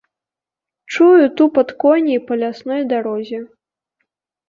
Чую тупат коней па лясной дарозе.